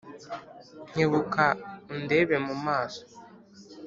nkebuka undebe mu maso